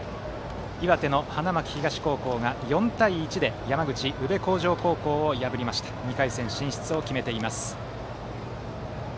岩手の花巻東高校が４対１で山口・宇部鴻城高校を破りまして２回戦進出を決めています。